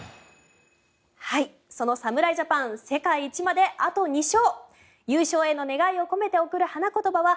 その侍ジャパン世界一まであと２勝。